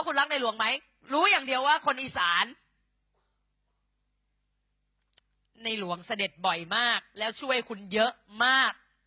ในหลวงเสด็จบ่อยมากแล้วช่วยคุณเยอะมาก